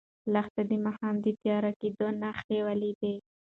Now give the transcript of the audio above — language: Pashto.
لښتې د ماښام د تیاره کېدو نښې ولیدې.